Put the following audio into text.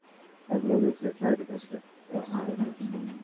একসময় ভারতীয় শাড়ির প্রাধান্য থাকলেও দেশীয় শাড়ির কাছে এখন তারা হার মেনেছে।